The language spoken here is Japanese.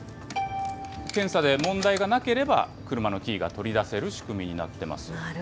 検査で問題がなければ、車のキーが取り出せる仕組みになってます。